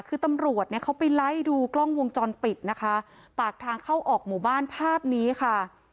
คือตำรวจเนี่ยเขาไปไล่ดูกล้องวงจรปิดนะคะปากทางเข้าออกหมู่บ้านภาพนี้ค่ะ